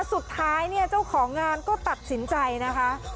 สุดท้ายเนี่ยเจ้าของงานก็ตัดสินใจนะคะ